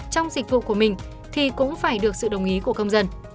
trong dịch vụ của mình thì cũng phải được sự đồng ý của công dân